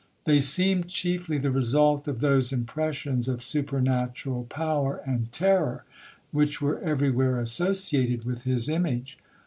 They seemed chiefly the result of those impressions of supernatural power and terror, which were every where associated with his image.